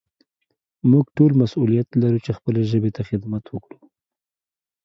موږ ټول مسؤليت لرو چې خپلې ژبې ته خدمت وکړو.